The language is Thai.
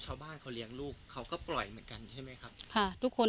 ชาวบ้านเขาเลี้ยงลูกเขาก็ปล่อยเหมือนกันใช่ไหมครับค่ะทุกคน